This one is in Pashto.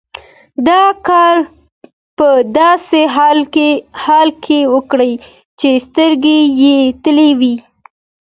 دا کار په داسې حال کې وکړئ چې سترګې یې تړلې وي.